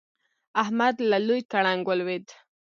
احمد له لوی ګړنګ ولوېد.